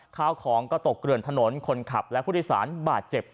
ข้าวของก็ตกเกลื่อนถนนคนขับและผู้โดยสารบาดเจ็บ